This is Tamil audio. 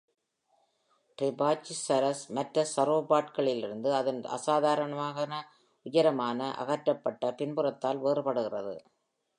"ரெபாச்சிசரஸ்" மற்ற சரோபாட்களிலிருந்து அதன் அசாதாரணமாக உயரமான, அகற்றப்பட்ட பின்புறத்தால் வேறுபடுகிறது.